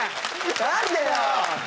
何でだよ